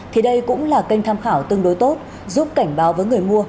thì đây cũng là kênh tham khảo tương đối tốt giúp cảnh báo với người mua